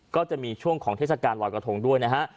ก็จะมีช่วงของเทศกาลลอยกระทงด้วยนะฮะ